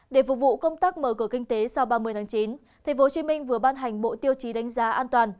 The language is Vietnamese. để phục vụ công tác mở cửa kinh tế sau ba mươi tháng chín tp hcm vừa ban hành bộ tiêu chí đánh giá an toàn